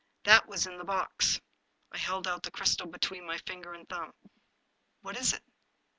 That was in the box." I held out the crystal between my finger and thumb. "What is it?"